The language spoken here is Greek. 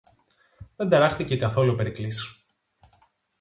Δεν ταράχθηκε καθόλου ο Περικλής